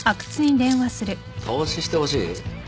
投資してほしい？